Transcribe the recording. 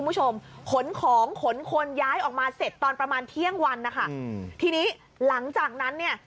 ขนของขนคนย้ายออกมาเสร็จตอนประมาณเที่ยงวันนะคะอืมทีนี้หลังจากนั้นเนี่ย